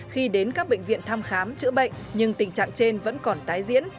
khi đến các bệnh viện thăm khám chữa bệnh nhưng tình trạng trên vẫn còn tái diễn